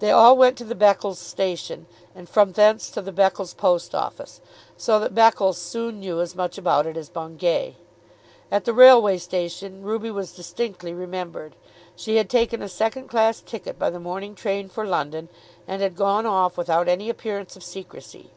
They all went to the Beccles Station, and from thence to the Beccles post office, so that Beccles soon knew as much about it as Bungay. At the railway station Ruby was distinctly remembered. She had taken a second class ticket by the morning train for London, and had gone off without any appearance of secrecy.